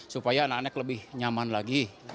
supaya anak anak lebih nyaman lagi